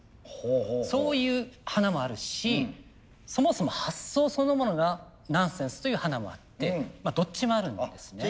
そういう華もあるしそもそも発想そのものがナンセンスという華もあってどっちもあるんですね。